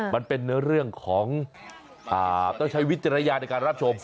มันเป็นเนื้อเรื่องของต้องใช้วิทยาลัยในการรับชม